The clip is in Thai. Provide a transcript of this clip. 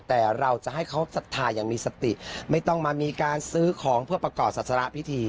แต่เราจะให้เขาศรัทธาอย่างมีสติไม่ต้องมามีการซื้อของเพื่อประกอบศาสระพิธี